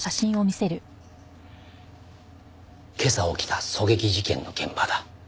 今朝起きた狙撃事件の現場だ。